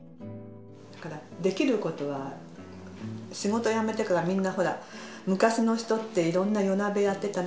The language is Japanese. だからできることは仕事やめてからみんなほら昔の人っていろんな夜なべやってたな。